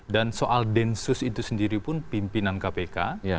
dan soal densus itu sendiri pun pimpinan kpk